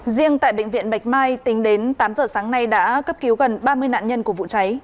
riêng tại bệnh viện bạch mai tính đến tám giờ sáng nay đã cấp cứu gần ba mươi nạn nhân của vụ cháy